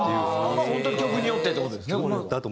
本当に曲によってって事ですね。